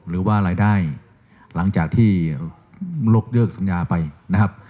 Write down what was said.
หรือว่ารายได้หลังจากที่ยกเลิกสัญญาไปนะครับ